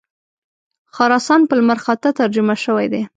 خراسان په لمرخاته ترجمه شوی دی.